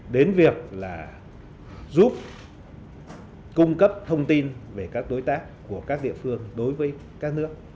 đến việc là giúp cung cấp thông tin về các đối tác của các địa phương đối với các nước